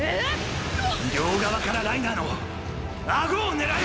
両側からライナーの顎を狙え！！